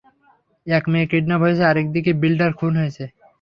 এক মেয়ে কিডন্যাপ হয়েছে, আরেকদিকে বিল্ডার খুন হয়েছে।